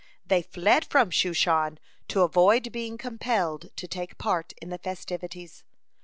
They fled from Shushan, to avoid being compelled to take part in the festivities.